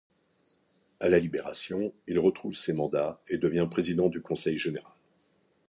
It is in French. À la Libération, il retrouve ses mandats et devient président du Conseil général.